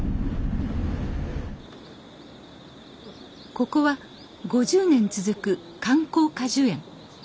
ここは５０年続く観光果樹園。